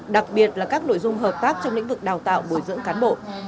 đặc biệt là các nội dung hợp tác trong lĩnh vực đào tạo bồi dưỡng cán bộ